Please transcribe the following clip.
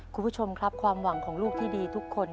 คุณผู้ชมครับความหวังของลูกที่ดีทุกคน